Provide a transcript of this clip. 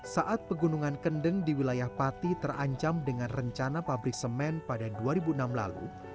saat pegunungan kendeng di wilayah pati terancam dengan rencana pabrik semen pada dua ribu enam lalu